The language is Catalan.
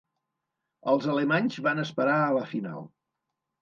Els alemanys van esperar a la final.